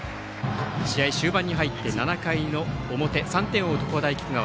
試合終盤に入って７回の表３点を追う常葉大菊川。